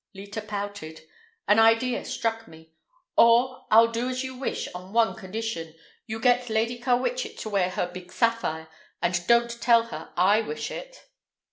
Leta pouted. An idea struck me. "Or I'll do as you wish, on one condition. You get Lady Carwitchet to wear her big sapphire, and don't tell her I wish it."